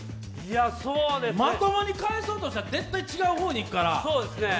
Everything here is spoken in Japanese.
まともに返そうとしたら絶対違う方にいくから。